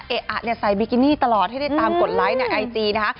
อ่ะใส่บิกินี่ตลอดให้ได้ตามกดไลค์ในไอจีนะคะ